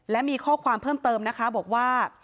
และมีข้อความเพิ่มเติมนะคะบอกว่า